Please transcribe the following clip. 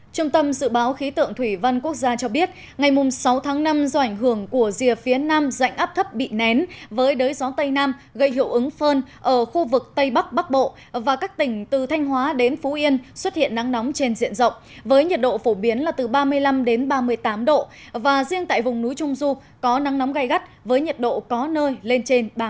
trung tâm dự báo khí tượng thủy văn quốc gia cho biết ngày sáu tháng năm do ảnh hưởng của rìa phía nam dạnh áp thấp bị nén với đới gió tây nam gây hiệu ứng phơn ở khu vực tây bắc bắc bộ và các tỉnh từ thanh hóa đến phú yên xuất hiện nắng nóng trên diện rộng với nhiệt độ phổ biến là từ ba mươi năm đến ba mươi tám độ và riêng tại vùng núi trung du có nắng nóng gai gắt với nhiệt độ có nơi lên trên ba mươi chín độ